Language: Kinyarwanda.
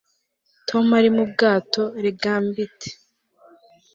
Tom ari mu bwato regambit